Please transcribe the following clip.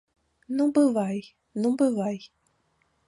Ну бывай, ну бывай!